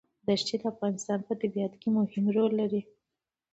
ښتې د افغانستان په طبیعت کې مهم رول لري.